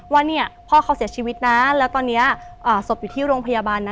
ว่าเนี่ยพ่อเขาเสียชีวิตนะแล้วตอนนี้ศพอยู่ที่โรงพยาบาลนะ